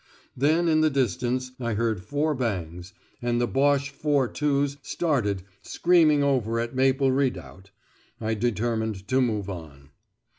Then in the distance I heard four bangs, and the Boche 4·2's started, screaming over at Maple Redoubt. I determined to move on.